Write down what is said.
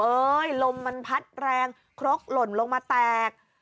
ลมมันพัดแรงครกหล่นลงมาแตก